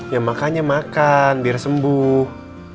ya makanya makan biar sembuh